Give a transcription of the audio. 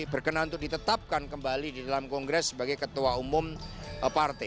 berkenan untuk ditetapkan kembali di dalam kongres sebagai ketua umum partai